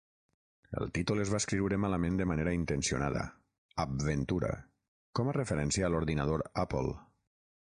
El títol es va escriure malament de manera intencionada; "Apventura", com a referència a l"ordinador Apple.